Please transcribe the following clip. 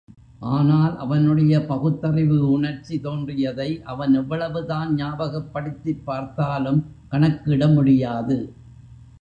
ஆனால், அவனுடைய பகுத்தறிவு உணர்ச்சி தோன்றியதை, அவன் எவ்வளவு தான் ஞாபகப்படுத்திப் பார்த்தாலும் கணக்கிட முடியாது.